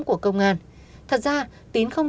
của công an thật ra tín không